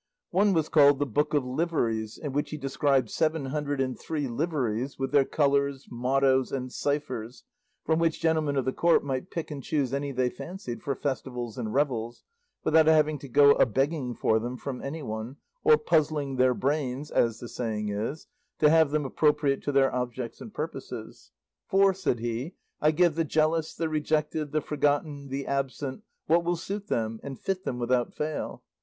One was called "The Book of Liveries," in which he described seven hundred and three liveries, with their colours, mottoes, and ciphers, from which gentlemen of the court might pick and choose any they fancied for festivals and revels, without having to go a begging for them from anyone, or puzzling their brains, as the saying is, to have them appropriate to their objects and purposes; "for," said he, "I give the jealous, the rejected, the forgotten, the absent, what will suit them, and fit them without fail.